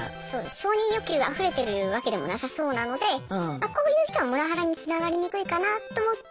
承認欲求があふれてるわけでもなさそうなのでまあこういう人はモラハラにつながりにくいかなと思って。